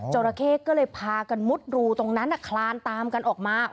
ราเข้ก็เลยพากันมุดรูตรงนั้นคลานตามกันออกมา